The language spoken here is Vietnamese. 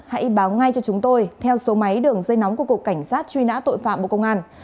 hãy báo ngay cho chúng tôi theo số máy đường dây nóng của cục cảnh sát truy nã tội phạm bộ công an